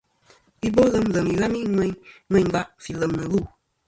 Ibolem ilem ìghami ŋweyn ngva fi lem nɨ lu'.